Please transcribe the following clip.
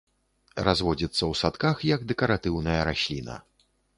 Разводзіцца ў садках як дэкаратыўная расліна.